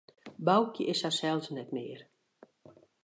Boukje is harsels net mear.